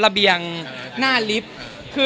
เบียงหน้าลิฟต์